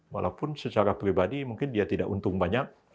walaupun secara pribadi mungkin dia tidak untung banyak